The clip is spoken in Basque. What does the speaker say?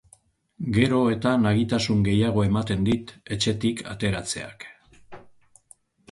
Geroz eta nagitasun gehiago ematen dit etxetik ateratzeak.